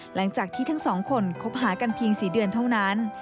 หลังจากที่ทั้งสองคนคบหากันเพียง๔เดือนเท่านั้น